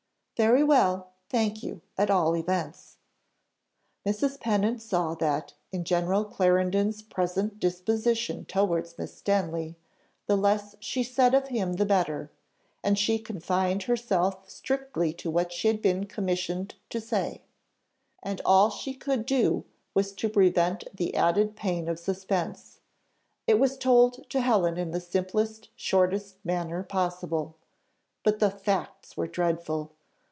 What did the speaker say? "Very well thank you, at all events." Mrs. Pennant saw that, in General Clarendon's present disposition towards Miss Stanley, the less she said of him the better, and she confined herself strictly to what she had been commissioned to say, and all she could do was to prevent the added pain of suspense; it was told to Helen in the simplest shortest manner possible: but the facts were dreadful.